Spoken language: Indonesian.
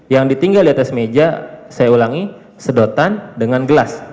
yang ditinggal di atas meja saya ulangi sedotan dengan gelas